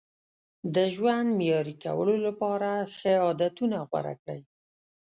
د ژوند معیاري کولو لپاره ښه عادتونه غوره کړئ.